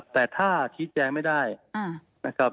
แต่ถ้าชี้แจงไม่ได้นะครับ